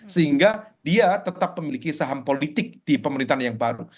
sehingga dia tetap memiliki saham politik di pemerintahan yang baru